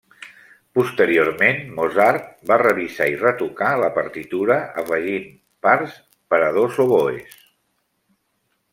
Posteriorment, Mozart va revisar i retocar la partitura, afegint parts per a dos oboès.